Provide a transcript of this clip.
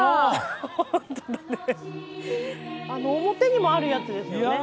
表にもあるやつですよね。